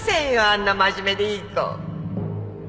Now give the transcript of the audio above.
あんな真面目でいい子。